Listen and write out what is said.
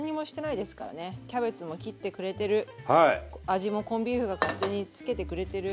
味もコンビーフが勝手につけてくれてる。